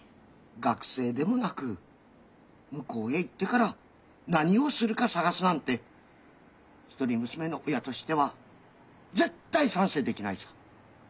学生でもなく向こうへ行ってから何をするか探すなんて一人娘の親としては絶対賛成できないさ。